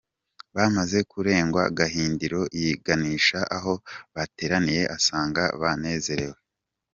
Bamaze kurengwa Gahindiro yiganisha aho bateraniye asanga banezerewe.